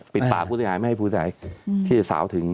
ปิดปากผู้เสียหายไม่ให้ผู้ชายที่จะสาวถึง